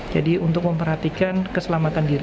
jadi untuk memperhatikan keselamatan diri